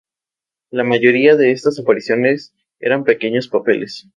La mayoría de estas apariciones eran pequeños papeles.